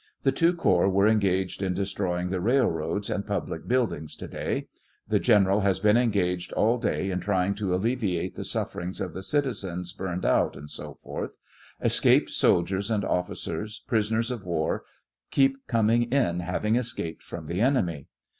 The two corps are engaged in destroying the rail roads and public buildings to day. The General has been engaged all day in trying to alleviate the suffer ings of the citizens burned out, &c. Escaped soldiers and officers, prisoners of war, keep coming in, having escaped from the enemy.